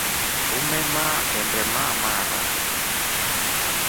Umema endema maharaki.